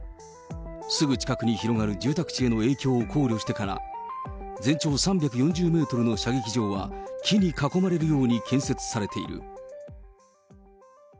すぐ近くに広がる住宅地への影響を考慮してか、全長３４０メートルの射撃場は、木に囲まれるように建設されている。